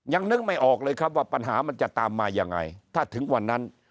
ยังนึกไม่ออกเลยครับว่าปัญหามันจะตามมายังไงถ้าถึงวันนั้น